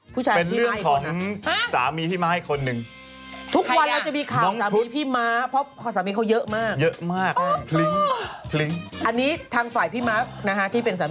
ผู้ชายเป็นพี่มากอีกคนนะ